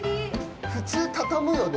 普通畳むよね